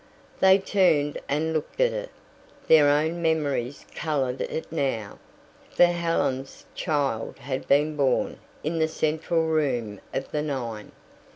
They turned and looked at it. Their own memories coloured it now, for Helen's child had been born in the central room of the nine.